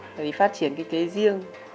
để đi phát triển cái kế riêng